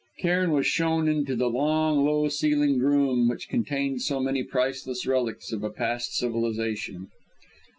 Cairn was shown into the long, low ceiled room which contained so many priceless relics of a past civilisation.